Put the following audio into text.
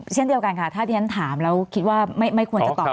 เช่นเดียวกันค่ะถ้าที่ฉันถามแล้วคิดว่าไม่ควรจะตอบ